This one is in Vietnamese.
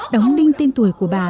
đóng đinh tên tuổi của bà